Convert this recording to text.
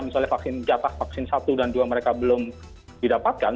misalnya vaksin jatah vaksin satu dan dua mereka belum didapatkan